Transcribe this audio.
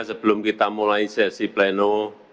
sebelum kita mulai sesi pleno